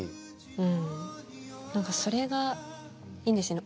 うん何かそれがいいんですよね。